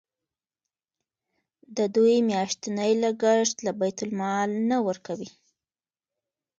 د دوی میاشتنی لګښت له بیت المال نه ورکوئ.